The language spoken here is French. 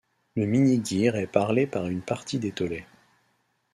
Le minigir est parlé par une partie des Tolai.